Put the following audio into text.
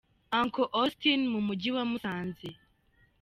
Uncle Austin mu mujyi wa Musanze.